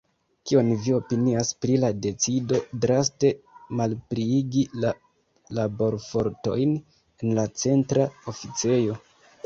Kion vi opinias pri la decido draste malpliigi la laborfortojn en la Centra Oficejo?